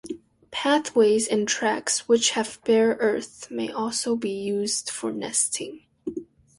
Pathways and tracks which have bare earth may also be used for nesting.